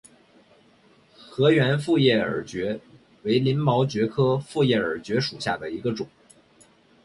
河源复叶耳蕨为鳞毛蕨科复叶耳蕨属下的一个种。